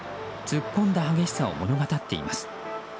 突っ込んだ激しさを物語っています。